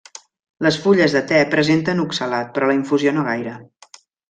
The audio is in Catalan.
Les fulles de te presenten oxalat però la infusió no gaire.